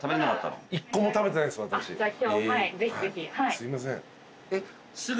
すいません。